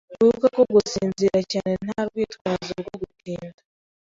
Wibuke ko gusinzira cyane nta rwitwazo rwo gutinda.